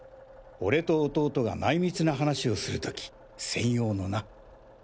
俺と弟が内密な話をする時専用のな。